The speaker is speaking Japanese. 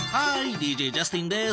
ＤＪジャスティンです。